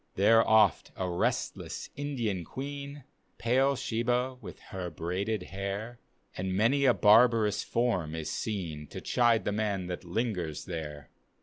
There oft a restless Indian queen, (Pale Shebah with her braided hair,) And many a barbarous form is seen To chide the man that lingers there.